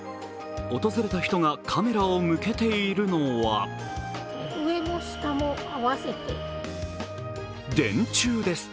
訪れた人がカメラを向けているのは電柱です。